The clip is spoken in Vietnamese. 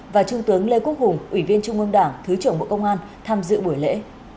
và trung tướng lê quốc hùng ủy viên trung ương đảng thứ trưởng bộ công an tham dự buổi lễ